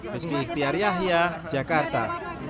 beski iktiar yahya jakarta